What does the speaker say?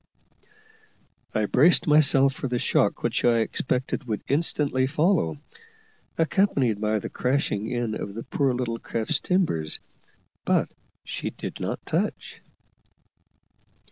I braced myself for the shock which I expected would instantly follow, accompanied by the crashing in of the poor little craft's timbers, but she did not touch.